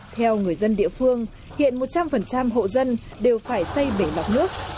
theo người dân địa phương hiện một trăm linh hộ dân đều phải xây bể lọc nước